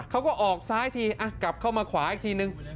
เขาก็ออกซ้ายทีกลับเข้ามาขวาอีกทีนึง